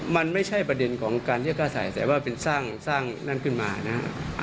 มันไม่ใช่ประเด็นของการเรียกค่าใส่แต่ว่าเป็นสร้างนั่นขึ้นมานะฮะ